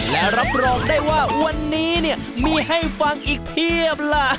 และรับรองได้ว่าวันนี้เนี่ย